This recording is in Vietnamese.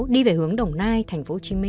đi về hướng đồng hành